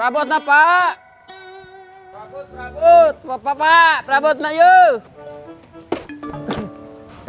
rabut rabut bapak bapak rabut nak yuk